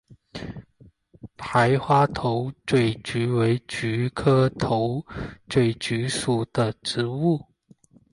白花头嘴菊为菊科头嘴菊属的植物。